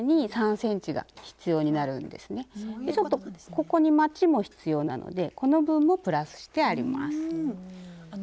ここにまちも必要なのでこの分もプラスしてあります。